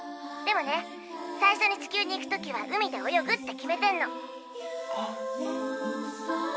でもね最初に地球に行く時は「海で泳ぐ」って決めてんの。